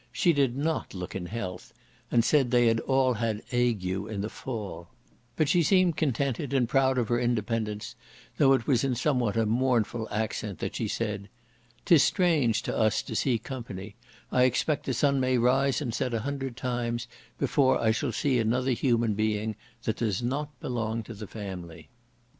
She did not look in health, and said they had all had ague in "the fall;" but she seemed contented, and proud of her independence; though it was in somewhat a mournful accent that she said, "Tis strange to us to see company: I expect the sun may rise and set a hundred times before I shall see another human that does not belong to the family."